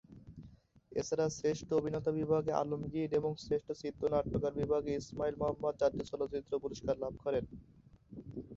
এছাড়া শ্রেষ্ঠ অভিনেতা বিভাগে আলমগীর এবং শ্রেষ্ঠ চিত্রনাট্যকার বিভাগে ইসমাইল মোহাম্মদ জাতীয় চলচ্চিত্র পুরস্কার লাভ করেন।